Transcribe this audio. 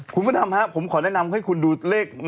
คุณประถามครับขอแนะนำให้คุณดูเลข